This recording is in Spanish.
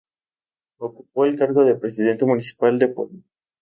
Ocupó el cargo de Presidente Municipal de Puebla.